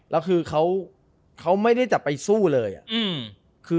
แล้วคือเขาไม่ได้จะไปสู้เลยอะ